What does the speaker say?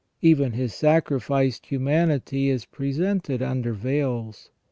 Even His sacrificed humanity is presented under veils.